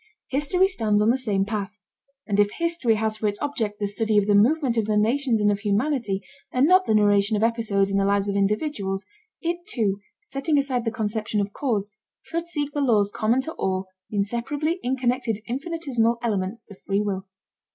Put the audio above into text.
History stands on the same path. And if history has for its object the study of the movement of the nations and of humanity and not the narration of episodes in the lives of individuals, it too, setting aside the conception of cause, should seek the laws common to all the inseparably interconnected infinitesimal elements of free will.